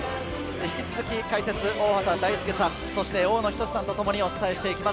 引き続き、解説・大畑大介さん、大野均さんとともにお伝えしていきます。